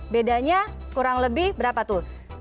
bedanya kurang lebih berapa tuh